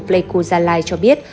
pleiku gia lai cho biết